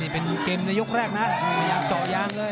เป็นโรงไลน์ในยุคแรกนะ